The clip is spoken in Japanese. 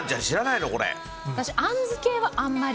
私あんず系はあんまりかも。